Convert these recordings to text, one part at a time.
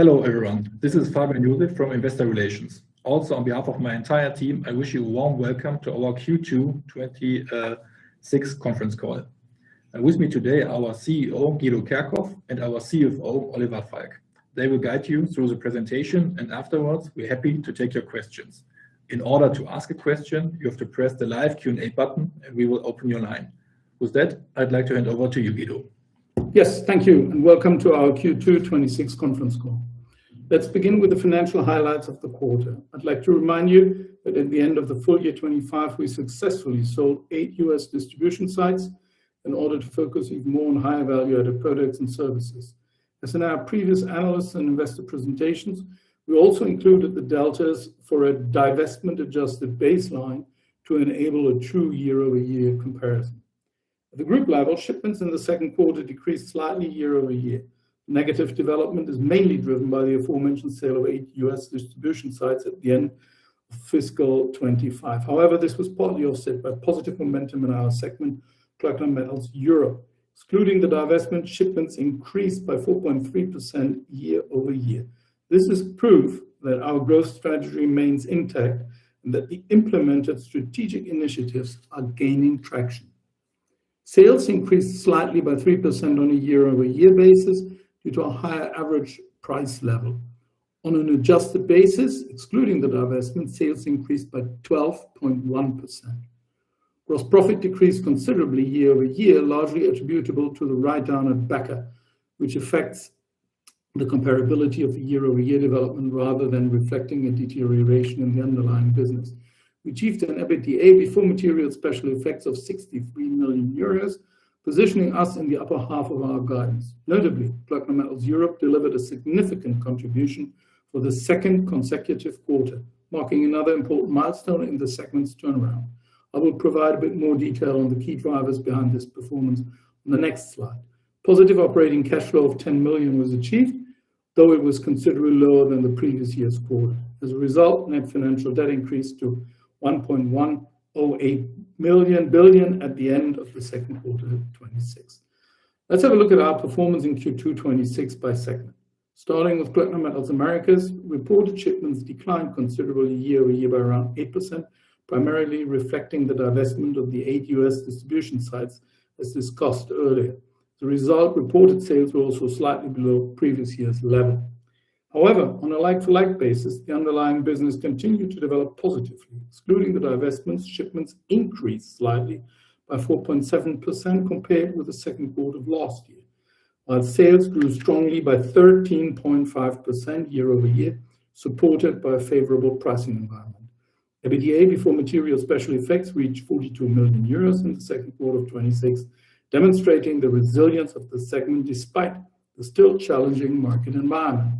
Hello, everyone. This is Fabian Joseph from investor relations. Also, on behalf of my entire team, I wish you a warm welcome to our Q2 2026 conference call. With me today, our CEO, Guido Kerkhoff, and our CFO, Oliver Falk. They will guide you through the presentation and afterwards, we're happy to take your questions. In order to ask a question, you have to press the live Q&A button, and we will open your line. With that, I'd like to hand over to you, Guido. Yes. Thank you, and welcome to our Q2 2026 conference call. Let's begin with the financial highlights of the quarter. I'd like to remind you that at the end of the full year 2025, we successfully sold eight U.S. distribution sites in order to focus even more on higher value-added products and services. As in our previous analysts and investor presentations, we also included the deltas for a divestment-adjusted baseline to enable a true year-over-year comparison. At the group level, shipments in the second quarter decreased slightly year-over-year. Negative development is mainly driven by the aforementioned sale of eight U.S. distribution sites at the end of fiscal 2025. However, this was partly offset by positive momentum in our segment, Kloeckner Metals Europe. Excluding the divestment, shipments increased by 4.3% year-over-year. This is proof that our growth strategy remains intact and that the implemented strategic initiatives are gaining traction. Sales increased slightly by 3% on a year-over-year basis due to a higher average price level. On an adjusted basis, excluding the divestment, sales increased by 12.1%. Gross profit decreased considerably year-over-year, largely attributable to the write-down at Becker, which affects the comparability of the year-over-year development rather than reflecting a deterioration in the underlying business. We achieved an EBITDA before material special effects of 63 million euros, positioning us in the upper half of our guidance. Notably, Kloeckner Metals Europe delivered a significant contribution for the second consecutive quarter, marking another important milestone in the segment's turnaround. I will provide a bit more detail on the key drivers behind this performance on the next slide. Positive operating cash flow of 10 million was achieved, though it was considerably lower than the previous year's quarter. As a result, net financial debt increased to 1.108 million at the end of the second quarter of 2026. Let's have a look at our performance in Q2 2026 by segment. Starting with Kloeckner Metals Americas, reported shipments declined considerably year-over-year by around 8%, primarily reflecting the divestment of the eight U.S. distribution sites, as discussed earlier. The result reported sales were also slightly below previous year's level. However, on a like-to-like basis, the underlying business continued to develop positively. Excluding the divestments, shipments increased slightly by 4.7% compared with the second quarter of last year, while sales grew strongly by 13.5% year-over-year, supported by a favorable pricing environment. EBITDA before material special effects reached 42 million euros in the second quarter of 2026, demonstrating the resilience of the segment despite the still challenging market environment.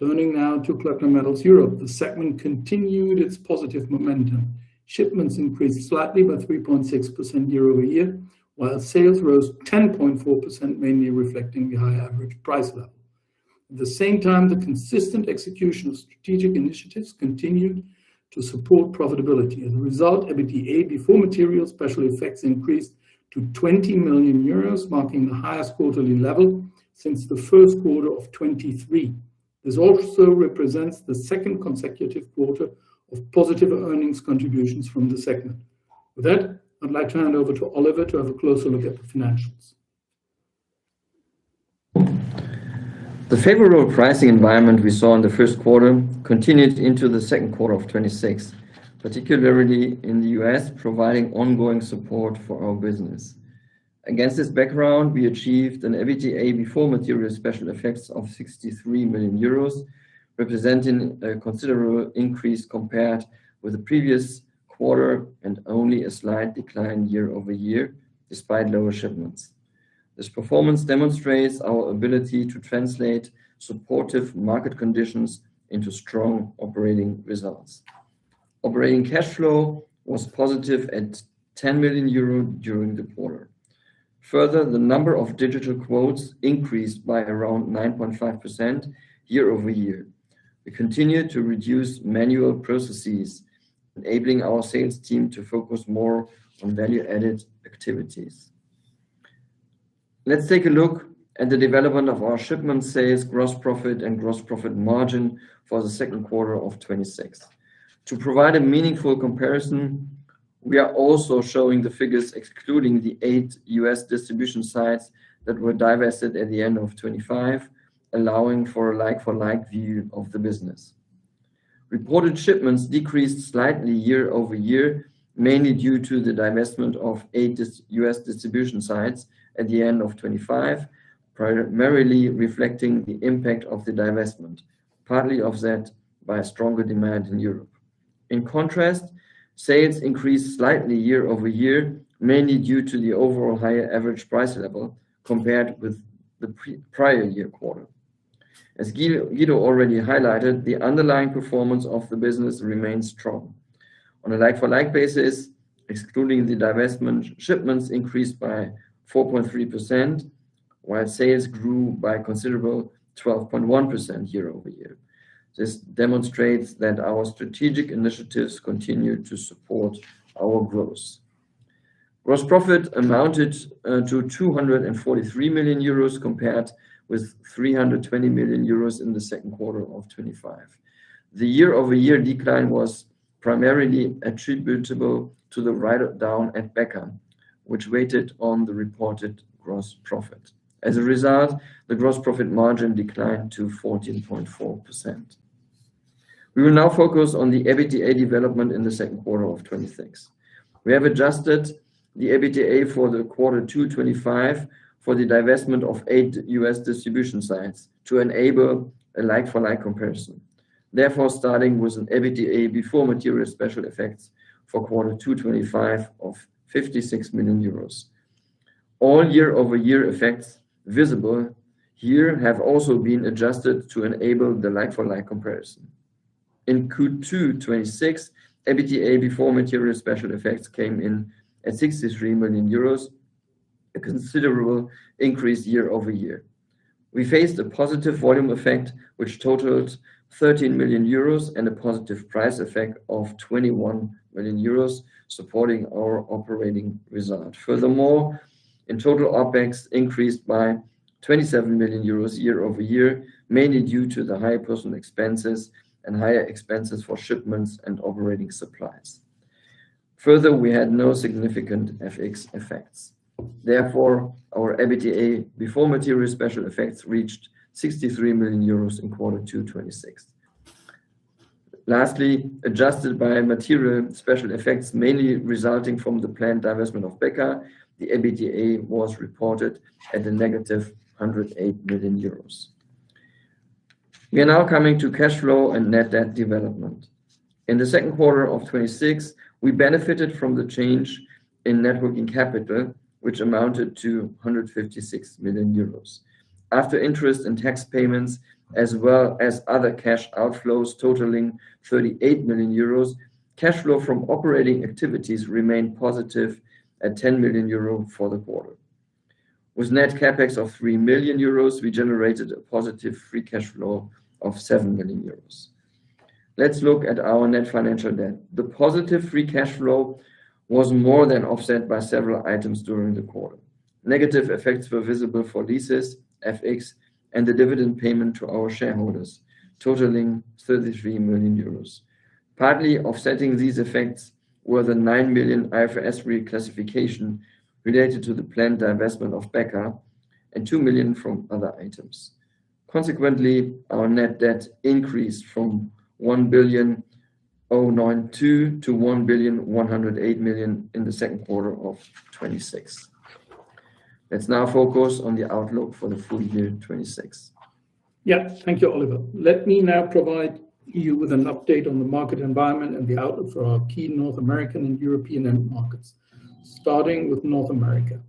Turning now to Kloeckner Metals Europe, the segment continued its positive momentum. Shipments increased slightly by 3.6% year-over-year, while sales rose 10.4%, mainly reflecting the high average price level. At the same time, the consistent execution of strategic initiatives continued to support profitability. As a result, EBITDA before material special effects increased to 20 million euros, marking the highest quarterly level since the first quarter of 2023. This also represents the second consecutive quarter of positive earnings contributions from the segment. With that, I'd like to hand over to Oliver to have a closer look at the financials. The favorable pricing environment we saw in the first quarter continued into the second quarter of 2026, particularly in the U.S., providing ongoing support for our business. Against this background, we achieved an EBITDA before material special effects of 63 million euros, representing a considerable increase compared with the previous quarter and only a slight decline year-over-year, despite lower shipments. This performance demonstrates our ability to translate supportive market conditions into strong operating results. Operating cash flow was positive at 10 million euro during the quarter. Further, the number of digital quotes increased by around 9.5% year-over-year. We continue to reduce manual processes, enabling our sales team to focus more on value-added activities. Let's take a look at the development of our shipment sales, gross profit, and gross profit margin for the second quarter of 2026. To provide a meaningful comparison, we are also showing the figures excluding the eight U.S. distribution sites that were divested at the end of 2025, allowing for a like-for-like view of the business. Reported shipments decreased slightly year-over-year, mainly due to the divestment of eight U.S. distribution sites at the end of 2025, primarily reflecting the impact of the divestment, partly offset by a stronger demand in Europe. In contrast, sales increased slightly year-over-year, mainly due to the overall higher average price level compared with the prior year quarter. As Guido already highlighted, the underlying performance of the business remains strong. On a like-for-like basis, excluding the divestment, shipments increased by 4.3%, while sales grew by a considerable 12.1% year-over-year. This demonstrates that our strategic initiatives continue to support our growth. Gross profit amounted to 243 million euros compared with 320 million euros in the second quarter of 2025. The year-over-year decline was primarily attributable to the write down at Becker, which weighted on the reported gross profit. As a result, the gross profit margin declined to 14.4%. We will now focus on the EBITDA development in the second quarter of 2026. We have adjusted the EBITDA for the quarter two 2025 for the divestment of eight U.S. distribution sites to enable a like-for-like comparison. Therefore, starting with an EBITDA before material special effects for quarter two 2025 of 56 million euros. All year-over-year effects visible here have also been adjusted to enable the like-for-like comparison. In Q2 2026, EBITDA before material special effects came in at 63 million euros, a considerable increase year-over-year. We faced a positive volume effect, which totaled 13 million euros and a positive price effect of 21 million euros supporting our operating result. In total, OpEx increased by 27 million euros year-over-year, mainly due to the high personal expenses and higher expenses for shipments and operating supplies. We had no significant FX effects. Our EBITDA before material special effects reached 63 million euros in quarter two 2026. Adjusted by material special effects, mainly resulting from the planned divestment of Becker, the EBITDA was reported at a -108 million euros. We are now coming to cash flow and net debt development. In the second quarter of 2026, we benefited from the change in net working capital, which amounted to 156 million euros. After interest in tax payments as well as other cash outflows totaling 38 million euros, cash flow from operating activities remained positive at 10 million euro for the quarter. With net CapEx of 3 million euros, we generated a positive free cash flow of 7 million euros. Let's look at our net financial debt. The positive free cash flow was more than offset by several items during the quarter. Negative effects were visible for leases, FX, and the dividend payment to our shareholders totaling 33 million euros. Partly offsetting these effects were the 9 million IFRS reclassification related to the planned divestment of Becker and 2 million from other items. Our net debt increased from 1,092 million-1,108 million in the second quarter of 2026. Let's now focus on the outlook for the full year 2026. Thank you, Oliver. Let me now provide you with an update on the market environment and the outlook for our key North American and European end markets, starting with North America.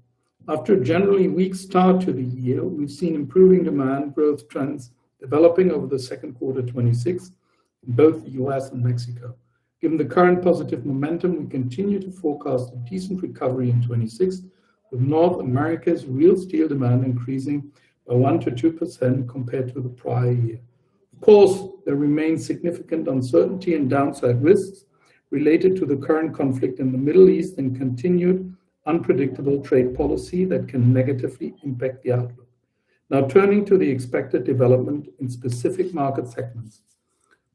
After a generally weak start to the year, we've seen improving demand growth trends developing over the second quarter 2026 in both the U.S. and Mexico. Given the current positive momentum, we continue to forecast a decent recovery in 2026, with North America's real steel demand increasing by 1%-2% compared to the prior year. Of course, there remains significant uncertainty and downside risks related to the current conflict in the Middle East and continued unpredictable trade policy that can negatively impact the outlook. Turning to the expected development in specific market segments.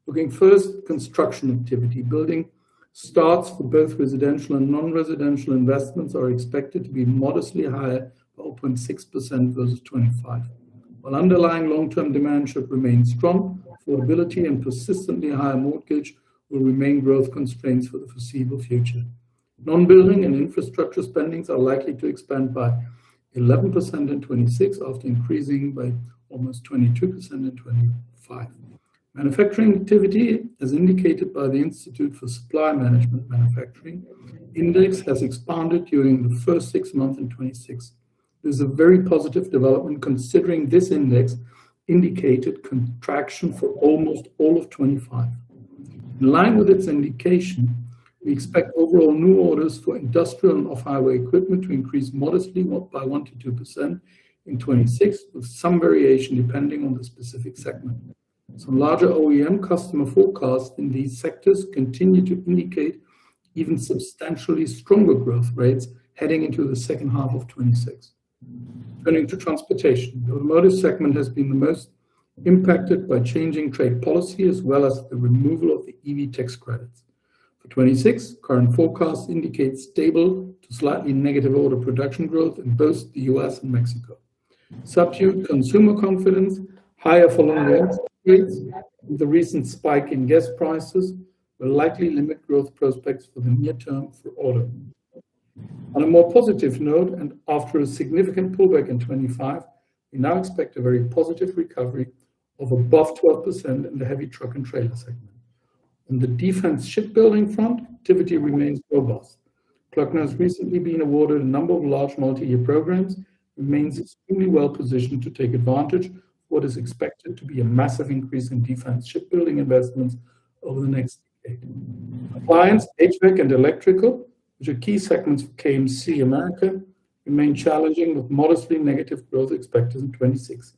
Looking first construction activity, building starts for both residential and non-residential investments are expected to be modestly higher by 0.6% versus 2025. While underlying long-term demand should remain strong, affordability and persistently higher mortgage will remain growth constraints for the foreseeable future. Non-building and infrastructure spendings are likely to expand by 11% in 2026, after increasing by almost 22% in 2025. Manufacturing activity, as indicated by the Institute for Supply Management Manufacturing Index, has expanded during the first six months in 2026. This is a very positive development considering this index indicated contraction for almost all of 2025. In line with its indication, we expect overall new orders for industrial and off-highway equipment to increase modestly by 1%-2% in 2026, with some variation depending on the specific segment. Some larger OEM customer forecasts in these sectors continue to indicate even substantially stronger growth rates heading into the second half of 2026. Turning to transportation, the automotive segment has been the most impacted by changing trade policy, as well as the removal of the EV tax credits. For 2026, current forecasts indicate stable to slightly negative order production growth in both the U.S. and Mexico. Subdued consumer confidence, higher for longer interest rates, the recent spike in gas prices will likely limit growth prospects for the near term for auto. On a more positive note, after a significant pullback in 2025, we now expect a very positive recovery of above 12% in the heavy truck and trailer segment. On the defense shipbuilding front, activity remains robust. Klöckner has recently been awarded a number of large multi-year programs, remains extremely well-positioned to take advantage of what is expected to be a massive increase in defense shipbuilding investments over the next decade. Appliance, HVAC, and electrical, which are key segments for KMC America, remain challenging with modestly negative growth expected in 2026.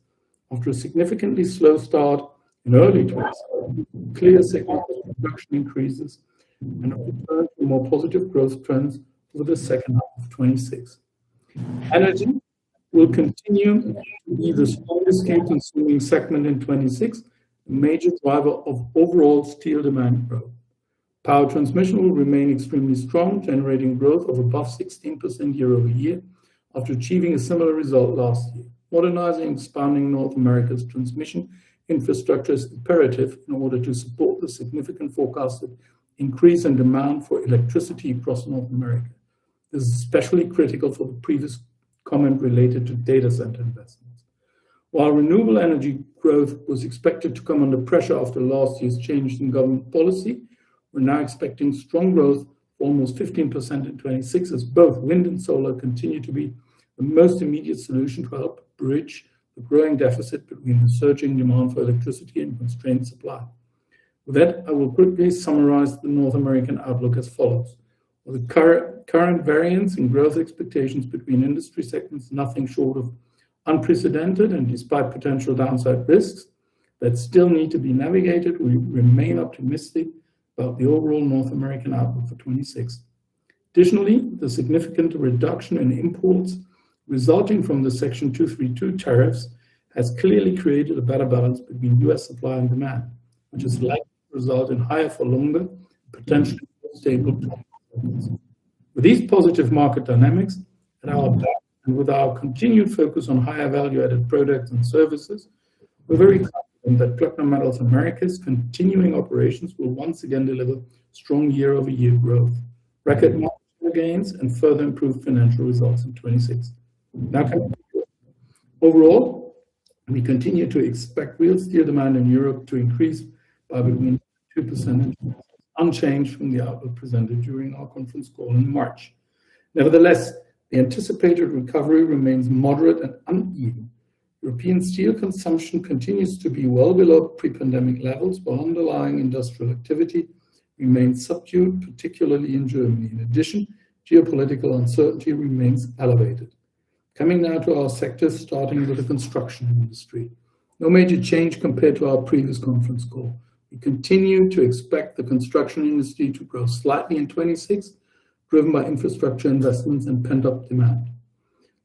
After a significantly slow start in early clear segment production increases and a return to more positive growth trends over the second half of 2026. Energy will continue to be the strongest steel-consuming segment in 2026, a major driver of overall steel demand growth. Power transmission will remain extremely strong, generating growth of above 16% year-over-year after achieving a similar result last year. Modernizing, expanding North America's transmission infrastructure is imperative in order to support the significant forecasted increase in demand for electricity across North America. This is especially critical for the previous comment related to data center investments. While renewable energy growth was expected to come under pressure after last year's change in government policy, we're now expecting strong growth of almost 15% in 2026 as both wind and solar continue to be the most immediate solution to help bridge the growing deficit between the surging demand for electricity and constrained supply. With that, I will quickly summarize the North American outlook as follows. With the current variance in growth expectations between industry segments nothing short of unprecedented, despite potential downside risks that still need to be navigated, we remain optimistic about the overall North American outlook for 2026. Additionally, the significant reduction in imports resulting from the Section 232 tariffs has clearly created a better balance between U.S. supply and demand, which is likely to result in higher for longer, potentially more stable performance. With these positive market dynamics at our back and with our continued focus on higher value-added products and services, we're very confident that Kloeckner Metals Americas continuing operations will once again deliver strong year-over-year growth, record marginal gains, and further improve financial results in 2026. Coming to Europe. Overall, we continue to expect real steel demand in Europe to increase by between 2% and unchanged from the outlook presented during our conference call in March. Nevertheless, the anticipated recovery remains moderate and uneven. European steel consumption continues to be well below pre-pandemic levels, while underlying industrial activity remains subdued, particularly in Germany. In addition, geopolitical uncertainty remains elevated. Coming now to our sectors, starting with the construction industry. No major change compared to our previous conference call. We continue to expect the construction industry to grow slightly in 2026, driven by infrastructure investments and pent-up demand.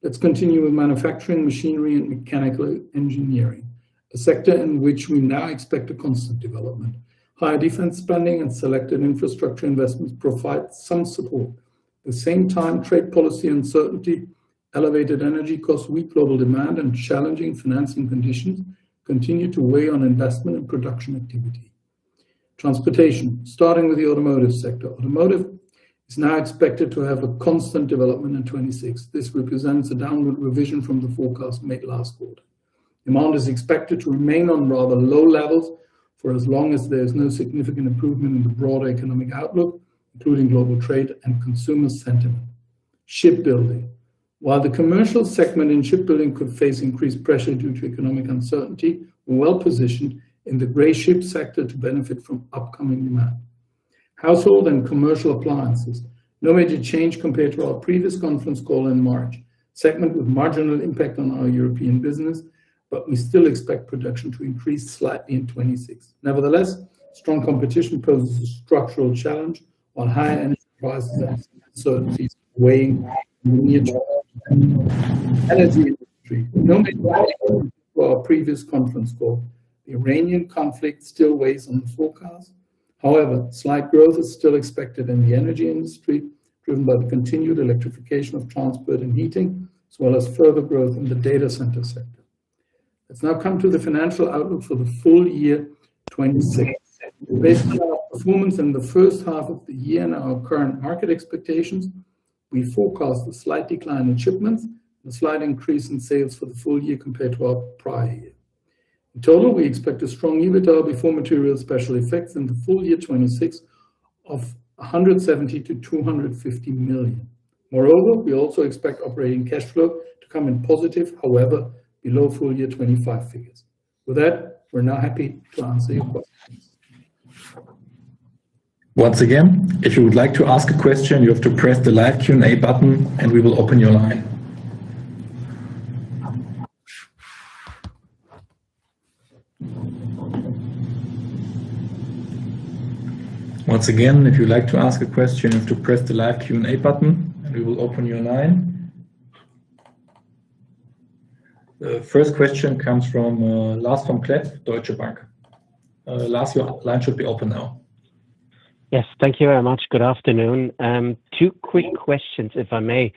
Let's continue with manufacturing, machinery, and mechanical engineering, a sector in which we now expect a constant development. Higher defense spending and selected infrastructure investments provide some support. At the same time, trade policy uncertainty, elevated energy costs, weak global demand, and challenging financing conditions continue to weigh on investment and production activity. Transportation. Starting with the automotive sector. Automotive is now expected to have a constant development in 2026. This represents a downward revision from the forecast made last quarter. Demand is expected to remain on rather low levels for as long as there is no significant improvement in the broader economic outlook, including global trade and consumer sentiment. Shipbuilding. While the commercial segment in shipbuilding could face increased pressure due to economic uncertainty, we are well-positioned in the gray ship sector to benefit from upcoming demand. Household and commercial appliances. No major change compared to our previous conference call in March. Segment with marginal impact on our European business, but we still expect production to increase slightly in 2026. Nevertheless, strong competition poses a structural challenge on higher energy prices and uncertainties weighing on the energy industry. The Iranian conflict still weighs on the forecast. Slight growth is still expected in the energy industry, driven by the continued electrification of transport and heating, as well as further growth in the data center sector. Let's now come to the financial outlook for the full year 2026. Based on our performance in the first half of the year and our current market expectations, we forecast a slight decline in shipments and a slight increase in sales for the full year compared to our prior year. In total, we expect a strong EBITDA before material special effects in the full year 2026 of 170 million-250 million. Moreover, we also expect operating cash flow to come in positive, however, below full-year 2025 figures. With that, we are now happy to answer your questions. Once again, if you would like to ask a question, you have to press the live Q&A button and we will open your line. Once again, if you would like to ask a question, you have to press the live Q&A button and we will open your line. The first question comes from Lars vom Cleff, Deutsche Bank. Lars, your line should be open now. Yes. Thank you very much. Good afternoon. Two quick questions, if I may.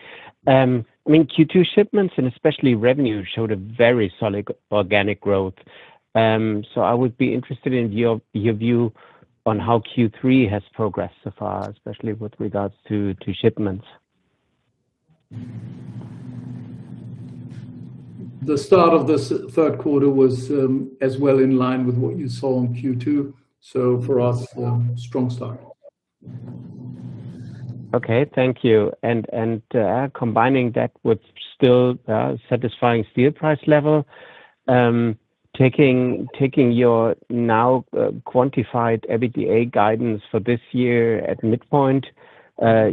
In Q2, shipments and especially revenue showed a very solid organic growth. I would be interested in your view on how Q3 has progressed so far, especially with regards to shipments. The start of the third quarter was as well in line with what you saw in Q2. For us, a strong start. Okay. Thank you. Combining that with still satisfying steel price level, taking your now quantified EBITDA guidance for this year at midpoint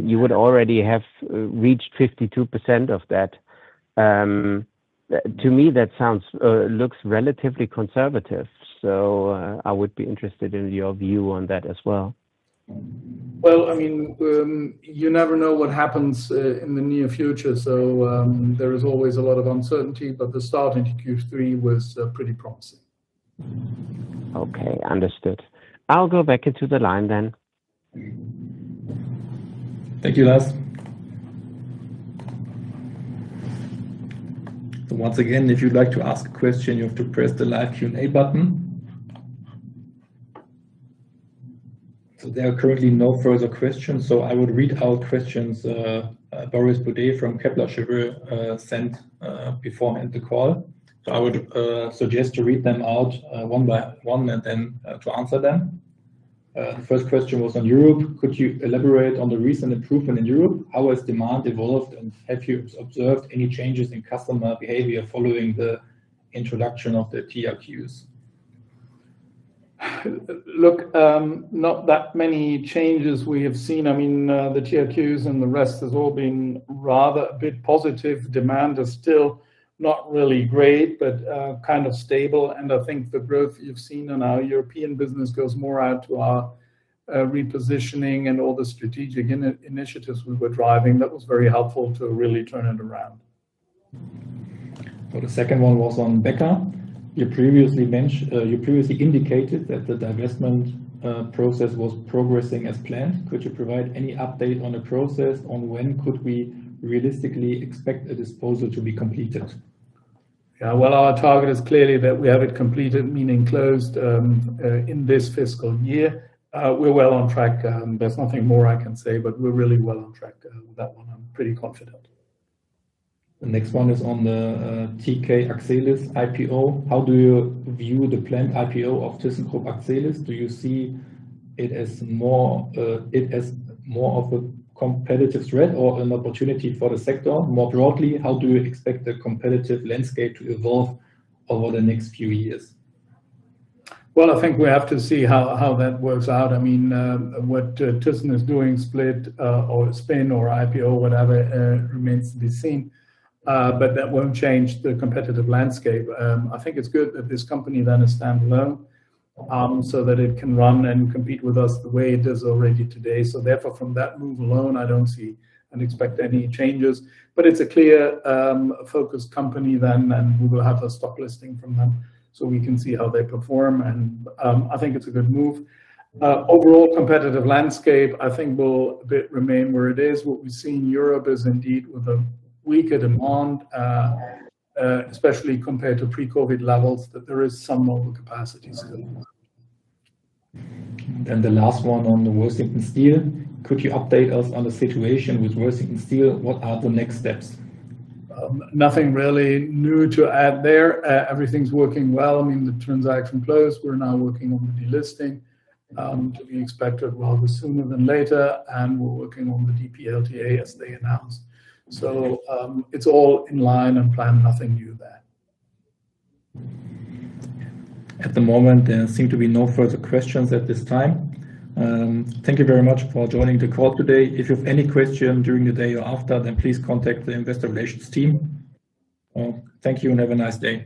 you would already have reached 52% of that. To me, that looks relatively conservative, I would be interested in your view on that as well. Well, you never know what happens in the near future, there is always a lot of uncertainty, the start into Q3 was pretty promising. Okay, understood. I'll go back into the line then. Thank you, Lars. Once again, if you'd like to ask a question, you have to press the live Q&A button. There are currently no further questions, I would read out questions Boris Bourdet from Kepler Cheuvreux sent beforehand the call. I would suggest to read them out one by one and then to answer them. The first question was on Europe. Could you elaborate on the recent improvement in Europe? How has demand evolved, and have you observed any changes in customer behavior following the introduction of the TRQs? Look, not that many changes we have seen. The TRQs and the rest has all been rather a bit positive. Demand is still not really great, but kind of stable. I think the growth you've seen in our European business goes more out to our repositioning and all the strategic initiatives we were driving. That was very helpful to really turn it around. The second one was on Becker. You previously indicated that the divestment process was progressing as planned. Could you provide any update on the process on when could we realistically expect the disposal to be completed? Yeah. Well, our target is clearly that we have it completed, meaning closed, in this fiscal year. We are well on track. There is nothing more I can say, but we are really well on track. That one, I am pretty confident. The next one is on the tk accelis IPO. How do you view the planned IPO of thyssenkrupp accelis? Do you see it as more of a competitive threat or an opportunity for the sector? More broadly, how do you expect the competitive landscape to evolve over the next few years? Well, I think we have to see how that works out. What thyssenkrupp is doing, split or spin or IPO, whatever, remains to be seen. That won't change the competitive landscape. I think it's good that this company then is standalone, so that it can run and compete with us the way it is already today. Therefore, from that move alone, I don't see and expect any changes. It's a clear, focused company then, and we will have a stock listing from them so we can see how they perform. I think it's a good move. Overall competitive landscape, I think will a bit remain where it is. What we see in Europe is indeed with a weaker demand, especially compared to pre-COVID levels, that there is some mobile capacity still. The last one on the Worthington Steel. Could you update us on the situation with Worthington Steel? What are the next steps? Nothing really new to add there. Everything's working well. The transaction closed. We're now working on the delisting, to be expected rather sooner than later, and we're working on the DPLTA as they announced. It's all in line and planned. Nothing new there. At the moment, there seem to be no further questions at this time. Thank you very much for joining the call today. If you have any question during the day or after, please contact the investor relations team. Thank you, have a nice day.